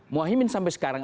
muahimin sampai sekarang